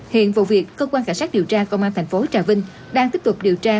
hiện vụ việc cơ quan cảnh sát điều tra công an tp trà vinh đang tiếp tục điều tra